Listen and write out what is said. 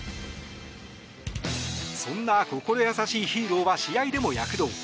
そんな心優しいヒーローは試合でも躍動。